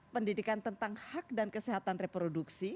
pendidikan tentang hak dan kesehatan reproduksi